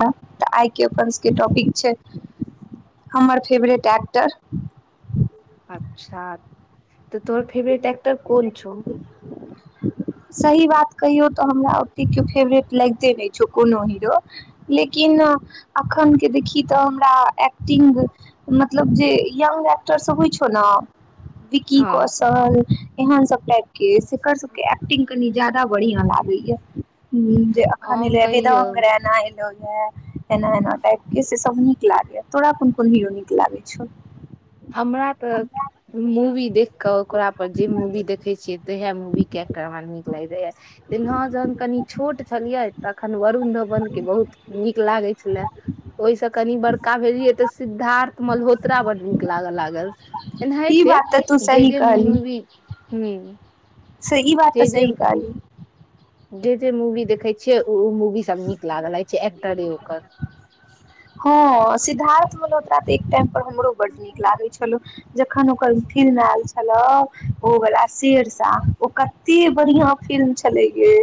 तऽ आइ के अपन सब के टॉपिक छै हमर फेवरेट चार [inaudible] अच्छा तऽ तोर फेवरेट एक्टर कोन छऔ ह सही बात कहियौ तऽ हमरा ओतेक केओ फेवरेट लगिते नहि छौ कोनो हीरो लेकिन अखन के देखी तऽ हमरा एक्टिंग मतलब जे यंग एक्टर सब ने वीकी हँ कौशल एहन सब टाइप के से एक्टिंग कनि ज्यादा बढ़िया लागै या हुँ जे अखन हम एलइ या कहियौ वङग रैना ल एना एना टाइप के से सब नीक लागैए तोरा कोन कोन हीरो नीक लागै छौ हमरा तऽ मूवी देख कऽ वी के्टर हमरा नीक लग रह या लेकिन हँ जहन कनि छोट छलियै तखन वरुण धवन के बहुत नीक लागे छले ओहिस कनी बड़ ्का भेल ते सिद्धार्थ मलहोत्रा बन लागऽ लागल ई एनाहिते बात तऽ तू जे सही जे मुवी ह सही बात तऽ सही कहली जे जे मूवी देखे छियै ओ मूवी सब नीक लागल रहै छै एक्टरे हँ ओकर सिद्धार्थ मल्होत्रा एकटाइम पर हमरो बड्ड नीक लागै छलौ जखन ओकर फिल्म आयल छलह ओ वला शेरशाह ओ कते बढ़िया फिल्म छले गे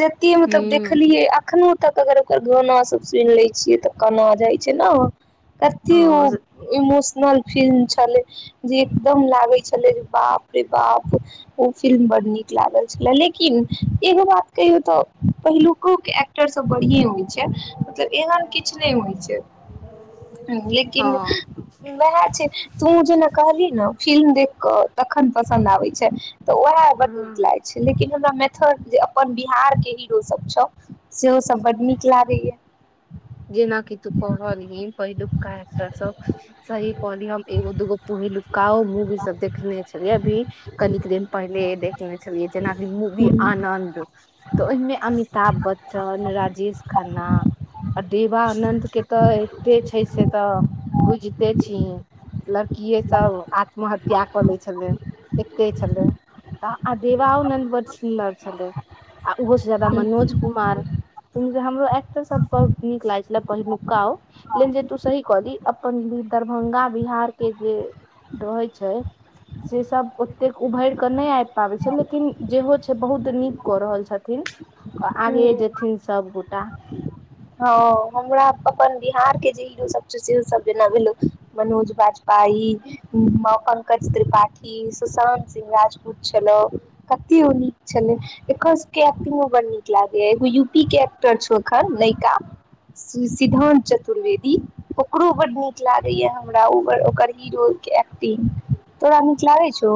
जते मतलब हूं देखलियए अखनो तक अगर ओकर गाना सब सुनि लै छियै तऽ कोना जाइ छै ने की ओ हँ इमोशन फिल्म छले जे एकदम लागे छले बाप रे बाप ओ फिल्म निक लागेल छलै लेकिन एगोबात कहियो त पहिलेको के एक्टर र सब बढ़िए होइत छै एहन किछ नहि होइ छै लेकिन हँ वह छै तू जेना कहली ने फिल्म देख क तखन पसन्द आबै छै तऽ उएह बड नीक हँ लागैत छै लेकिन हमरा जे अपन बिहार के हीरो सब छौ सेहो सब बड नीक लागेया जेनााकि तू कहलह पहिलुक का सब सही कहली हम एगो दूगो पहिलुक काउ मुँवि सब देखने छल अभी कनिक दिन पहिले देखने छलियै जेनाभ मूवी हूँ आनन्द तऽ ओहिमे अमिताभ बच्चन राजेश खन्ना विवानंद के तऽ एते छै से तऽ बुझते छी लड़किए सब आत्महत्या कऽ ले छलै एते छलै त आ देवाओनंद बड सुन्दर छलल आ ओहो से जाय्दा मनोज कुमार हमरो एक्टर सब नीक लागै छले पहिलुक्का ओ लेकिन जे तू सही कऽ दी अपन दरभंगा बिहार के जे रहै छै से सब ओतेक उभरि कऽ नहि आबि पाबै छै लेकिन जेहो छै बहुत नीक कऽ रहल छथिन आगे हूँ जेथिन सबगोटा हँ हमरा अपन बिहार के जे हीरो सब से सब जेना भेल मनोज बाजपा प त्रिपाठी सुशानत सिंह राजपूत छल क [inaudible] नीक छलै एकर सबके एक्टिंग मे ब् नीक लागैए एगो यूपी के एक्टर छौ एखन नयका सिद्धान्त चतुर्वेदी ओकरो बड्ड नीक लागैए हमरा ओ ओकर हीरो एक दिन तोरा अी क् लागै छ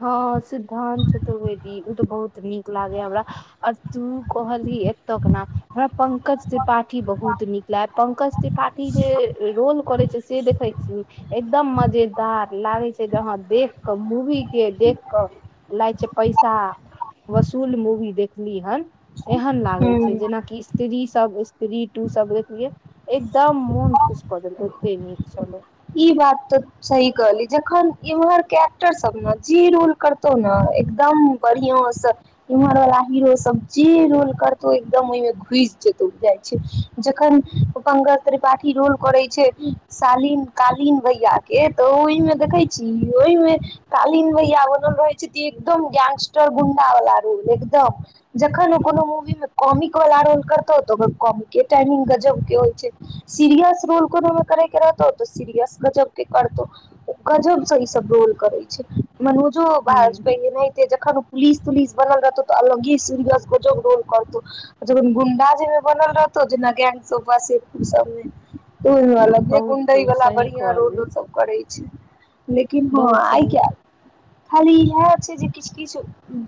हँ सिद्धानं्त चतुर्वेदी ओ तऽ बहुत नीक लागे हा हमरा आ तू कहली एत नाम हमरा पंकज त्रिपाठी बहुत नीक लाग पंकज त्रिपाठी जे रोज करे छै से देखै छी एकदम मजेदार लागे छै जहाँ देख के मुह के देख क लागै छै पैसा वसूल मूवी देखली हन एहन लागै छै हमरा जेनाकि स्त्री सब स्त्री टू सब देखलियै एकदम मन खुश कऽ देल ओते नीक चल ई बात तऽ सही कहली जखन इम्हर के एक्टर सब ने जे रोल करतौ ने एकदम बढ़िया से इम्हर वाला हीरो सब जे रोल कर एकम ओहि घुस जेतउ जाइ छै जखन पंकज त्रिपाठी रोल करे छै सालीन कालीन वहियाद के तऽ ओहि में देखे छी ओहिमे कालीन भैया बनल रहे छै ती एकदम गैंगस्टर गुं्डा वाला रूल एकदम खन कोनो मूवी मे कॉमिक वाला रोल करतौ तऽ ओकर कॉमिक टाइमंग गजब के होइ छै सीरियस रोल कोमे करेके रहत सीरियस गजब के करतो गजब से ई सब रोल करे छै मनोजो ह बाहर बै [inaudible] जखन पुलिस तुलिस बनल रहतौ तऽ अलगे सूर्यस गोज रोल करतौ जखन गुंडा जे बनल रहतौ जेना गैंग सबमे बहुत गुंडई वला सही बढ़िया रोल कहली ओ सब करै छै लेकिन हँ बहुत आइ सही क्य खाली इएह जे किछु किछु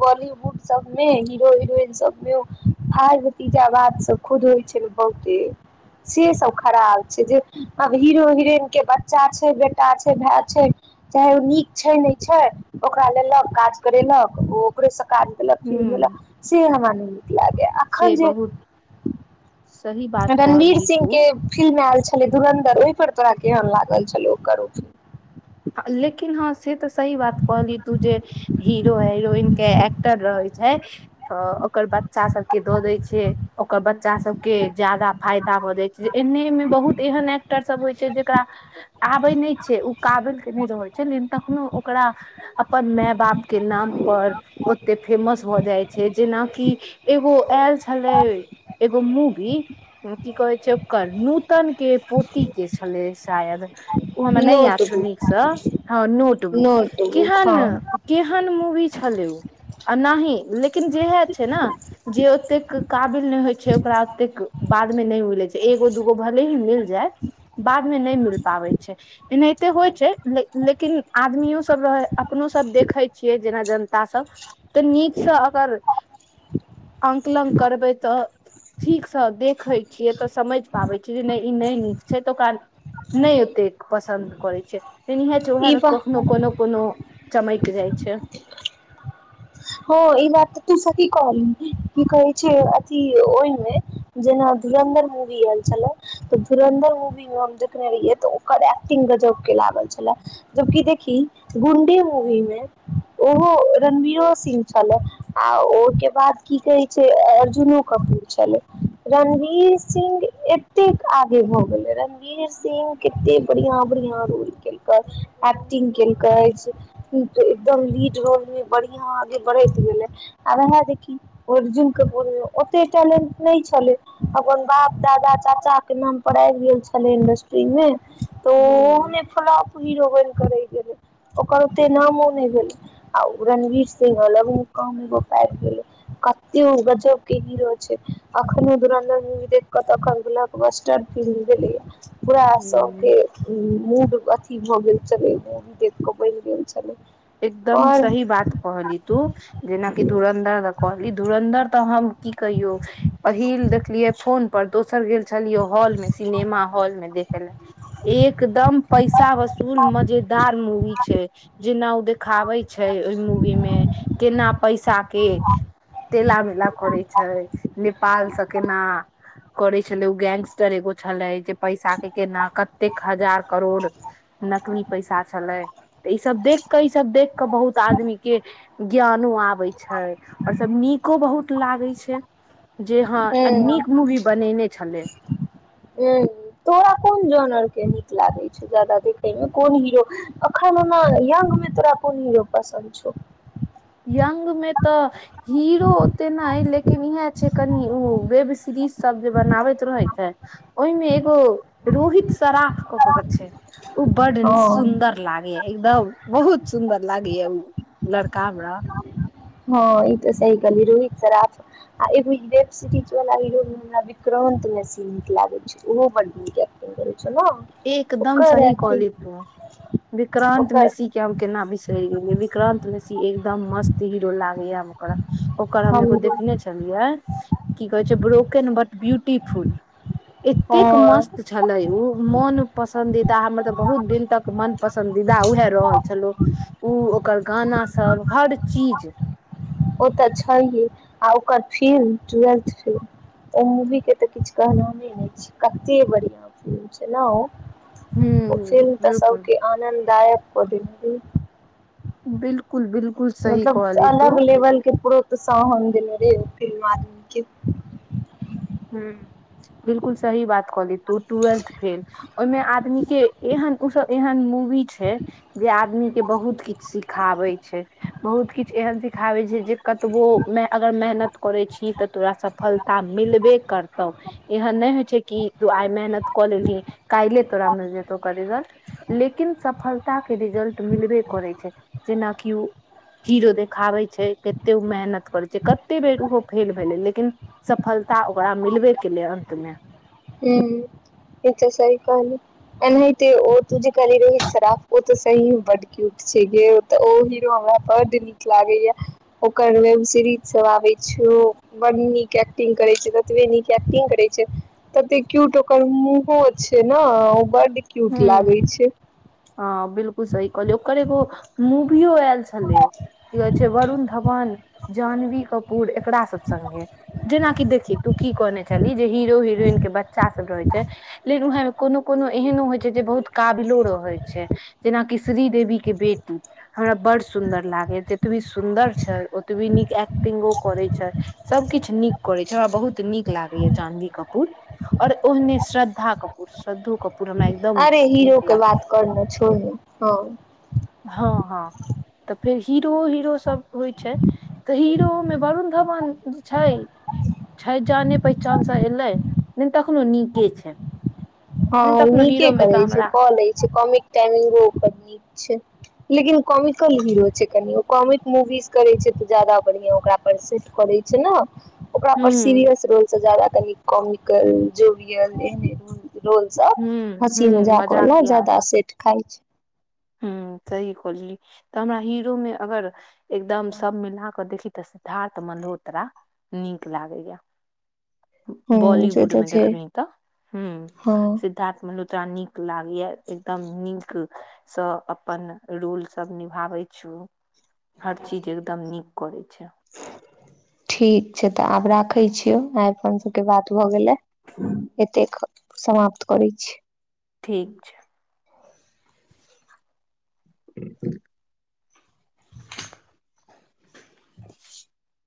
बॉलीवुड सब मे हीरो हिरोइन सब मे भार भतीजा बात खुद होइ छै ने बहुते से सब खराा छै जे हीरो हिरोइन के बच्चा छै बेटा छै भाय छै चाहे ओ नीक छै नहि छै ओकरा लेलक काज करेलक ओ ओकरे स काट देलक फिर हूँ देलक से हमरा नहि नीक लागै से एखन जे बहुत सही बात रणवीर कहली सिंह तू के फिल्म आयल छल धुरनधर ओहि पर तोरा केहन लागल छलौ ओकर हाँ, लेकिन हँ से तऽ सही बात कहली तू जे हीरो हेरोइन के एक्टर रहै छै तऽ ओकर बच्चा सबके दऽ दै छै ओकर बच्चा सबके जाादा फायदा एने बहुत एहन एक्टर सब होइ छै जेकरा आबै नहि छै ओ काबिल रहै छै लेकिन तखनो ओकरा अपन माय बाप के नाम पर ओते फेमस भऽ जाइ छै जेनाकि एगो आयल छलै एगो मूवि की कहै छै ओकर नूतन के पोती के छलै शायद ओ हममे फिल्म नहि याद सुननी नोटबुक हँ नोटबुक नोटबुक केहन हँ केहन मूवी छलै ओ आ नही लेकिन जेएह छै ने जे ओतेक काबिल नहि होइ छै ओकरा ओतेक बाद मे नहि मिलै छै एगो दूगो भले ही मिल जाय बाद मे नहि मिल पाबै छै एनाहिते होइ छै लेकिन आदमियो सब रह अपनो सब देखे छियै जेना जनता सब तऽ नीक अंकलन करबै तऽ ठीकसँ देखै छियै तऽ समझ पाबै छी जे नहि ई नहि नीक छै तऽ ओकरा नहि ओतेक पसन्द करै छै तेन इह चूहा ई मे बा कखनो कोनो कोनो चमक जाइ छै हो ई तू की कही की कहे छै अथी ओहि मे जेना धुरंधर मूवी आयल छले तऽ धुरन्दर मूवी मे हम देखने रहियै तऽ ओकर एक्टिंग गजब के लागल छले जबकि देखि गुंडी मूवी मे ओहो रणवीरो सिंह छल आ ओहिके बाद की कहे छै अर्जुनू कपूर छले रणवीर सिंह एतेक आगे भऽ गेले रणवीर सिंह केते बढ़िया बढ़िया रोल केल एक्टिंग केल एकदम लीड रोल मे बढ़ियागे देखर्जुन ओटेंट छल अपन बाप दादा चाचा के नाम पर आबि गेल छले इंडस्ट्री मे हूँ तऽ फल करै गेल ओकर ओते नामो नहि भेलै आ रणवीर सिंहलग कह ोप गेल कतेक उ केी रह छै एखन दुर मु कत पूरा सब हूँ के मूड कि भऽ गेल छलै देख कऽ बनि गेल छ एकदम सही बात कहलहि तू जेनाकि धुरन्धर दऽ कहलहि धुरन्धर तऽ हम की कहियो पहिल देखलियै फोन पर दोसर छलियौ हॉल मे सिनेमा हॉल में देखय लै एकदम पैसा वसूल मजेद मुवी छै जेना देखाबै छै ओहि मूवी मे केना पैसा के तेला मेला करै छै नेपाल ाल सकेना करै छलै ओ गेंगस्टर एगो छलै पैसा के केना कतेक हजार करोड़ नकली पैसा छलै तऽ ई सब देख कऽ ई सब देख कऽ बहुत आदमी के ज्ञानो आबै छै और सब नीको बहुत लागे छै जे हँ हूँ नीक मूवी बनेने छलै हूँ तोरा कोन के नीक लागे छै जादाा देखे मे कोन हीरो अखन ओना यंग में तोरा कोन हीरो पसन्द छ यंग में ते हीरो ओते न ह लेकिन इहे छै कनि उ वेब सीरीज सब जे बनाबैत रहैत है ओहिमे एगो रोहित शराफ कऽ के के छै ऊ बड हँ सुंदर लागे ये एकदम बहुत सुंदर लागे या ऊ लड़का कामराा हँ ई तऽ सही कही रोहित शराफ आ वेब सीरीज वाल व्रम न्सी नीक लागे छै ओहो ब नीक एकटिंग करे छै ने एकदम ओकर सही कहलन्हि एक्टिंग तू विक्रान्त ओकर मेसी के हम केना बिसरि गेलियै विक्रान्त मेसी एक दम मस्त हीरो लागैया हमरा ओकर हम एगो हमरो देखने छलियै की कहे छै ब्रोकन बट ब्यूटिफुल एतेक हँ मस्त छले उ मन पसंन्दीदा हमर तऽ बहुत दिन तक मन पसन्दीदा उएह रहल छलौ उ ओ ओकर गाना सब हर चीज ओ तऽ छैहे आ ओकर फिल्म टूएल्थ फेल ओ मूवीके तऽ किछु कहनामे नहि छै कतै बढ़िआँ फिल्म छै ने ओ हूँ ओ फिल्म तऽ बिल्कुल सबके आनन्ददायक कऽ देने रहय बिल मतलब अलग लेवल के प्रोत्साहन देने रहय ओ फिल्म आदमी के ह बिलकुल सही बात कहली तू टूएल्थ फेल ओहिमे आदमी के एहन ओ सब एहन मूवी छै जे आदमी के बहुत किछ सिखाबे छै बहुत किछ एहन सिख सिखाबै छै जे कतबो मे अगर मेहनत करै छी ही तऽ तोरा सफलता मिलबे करतौ एहन नहि होइ छै कि तूं आइ मेहनत कऽ लेलही काल्हिले तोरा मिल जेतो रिजल्ट लेकिन सफल ताक के रिजल्ट मिलबे करै छै जेनाकि ओ हीरो देखाबै छै कते ओ मेहनत करै छै कते बेर ओहो फेल भेलै लेकिन सफलता ओकरा मिलबे केलै अन्तमे ह ई तऽ सही कहलहि एनेहिते ओ तू जे कहने रहि रोहित सराफ ओ तऽ सही में बड्ड क्यूट छै गे ओतऽ ओ हीरो हमरा बड्ड नीक लागे ओकर वेब सीरीज सब आबे छौ बड्ड नीक एक्टिंग करै छै ततबे नीक एक्टिंग करै छै तते क्यूट ओकर मुँहो छै ने ओ बड्ड क्यूट हूँ लागै छै हँ बिलकुल सही कहलिओ ओकर एगो मूवियो आयल छलै की कहै छै वरुण धवन जान्नवी कपूर एकरा सब संगे जेना कि देखहि तू की कहने छलन्हि हीरो हिरोइन के बच्चा सब रहै छै ले फेर उहै मे कोनो कोनो एहनो होइ छै जे बहुत काबिलो रहै छै जेना की श्री देेवी के बेटी हमरा बड़ सुंन्दर लागे जतबी सुन्दर छै ओतबी नीक एक्टिंग करै छै सब किछ नीक करै छै हमरा बहुत नीक लाग जानवी कपूर आओर ओहिने श्रद्धा कपूर श्रद्धू कपूर हमरा एकदम अरे नीक हीरो के लाग बात करने छोड़ने हँ हँ हँ तऽ फेर हीरो हीरो सब के होइ छै तऽ ही रो मे वरुण धवन छै छै जाने पहिचानसँ एयलै लेकिन तखनो नीके छै लेकिन हँ तखनो नीके हीरो मे तऽ करै छै हमरा कऽ ले छै कॉमिक टाइमिंगो नीक छै लेकिन कॉमिकल हीरो छै कनि ओ कॉमिक मूवीज करै छै तऽ ज्यादा बढ़िआ ओकरा पर सेट करै छै ने ओकरा पर हुँ सीरियस रोलसँ जादा कनि कॉमिकल जोरियल एहने रोल सब हुँ हँसी हुँ मजाक वाला ज्यादा सेट खाय छै ह सही कहली तऽ हमरा हीरो मे अगर एकदम सब मिला कऽ देखी तऽ सिद्धार्थ मल्होत्रा नीक लागैया हूं से बॉलीवुड तऽ मे छै देखबी तऽ ह हँ सिद्धारथ मलहो एकटा नीक लागैया एकदम नीक सँ अपन रोलसभ निभाबै छौ हर चीज एकदम नीक करै छै रखै छियो आइ अपन सबके बात भए गेले एतेक समाप्त करैत छी ठीक छै ह ह